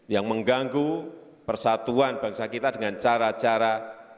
yang mengganggu persatuan bangsa kita dengan cara cara